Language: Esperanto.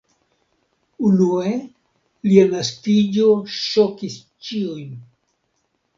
Unue lia naskiĝo ŝokis ĉiujn.